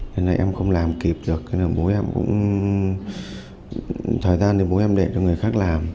thế này em không làm kịp được thế này bố em cũng thời gian thì bố em để cho người khác làm